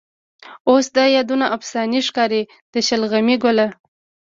اوس د یادونه افسانې ښکاري. د شلغمې ګله